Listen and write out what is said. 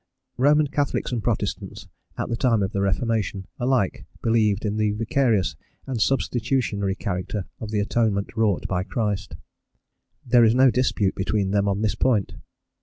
Roman Catholics and Protestants, at the time of the Reformation, alike believed in the vicarious and substitutionary character of the atonement wrought by Christ. There is no dispute between them on this point.